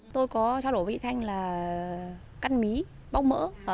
tôi có trao đổi với chị thanh là cắt mí bóc mỡ